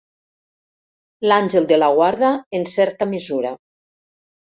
L'àngel de la guarda, en certa mesura.